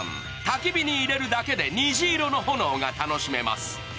たき火に入れるだけで虹色の炎が楽しめます。